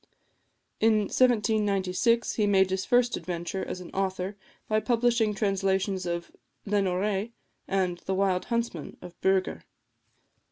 In 1796 he made his first adventure as an author by publishing translations of "Lenoré," and "The Wild Huntsman" of Bürger.